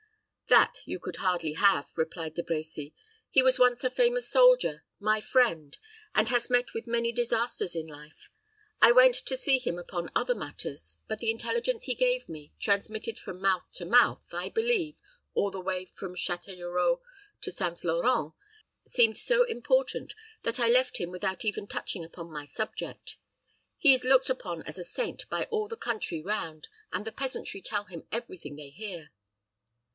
"That you could hardly have," replied De Brecy. "He was once a famous soldier, my friend, but has met with many disasters in life. I went to see him upon other matters; but the intelligence he gave me, transmitted from mouth to mouth, I believe, all the way from Chatellerault to St. Florent, seemed so important that I left him without even touching upon my object. He is looked upon as a saint by all the country round, and the peasantry tell him every thing they hear."